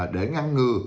để ngăn ngừa